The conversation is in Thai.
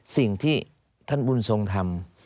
สิ่งที่ท่านบุญทรงทำ